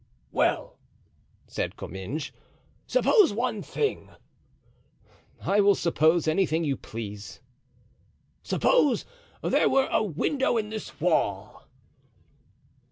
"Well," said Comminges, "suppose one thing." "I will suppose anything you please." "Suppose there were a window in this wall."